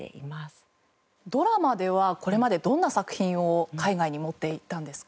ドラマではこれまでどんな作品を海外に持って行ったんですか？